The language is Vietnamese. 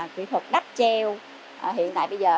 kỹ thuật đắt treo hiện tại bây giờ